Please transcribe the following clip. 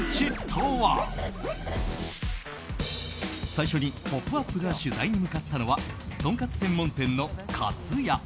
最初に「ポップＵＰ！」が取材に向かったのはとんかつ専門店のかつや。